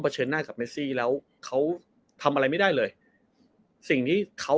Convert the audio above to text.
เชิญหน้ากับเมซี่แล้วเขาทำอะไรไม่ได้เลยสิ่งที่เขา